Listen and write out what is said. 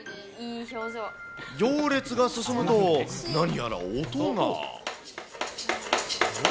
行列が進むと、何やら音が。